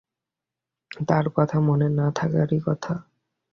তাঁর কথা মনে না থাকারই কথা।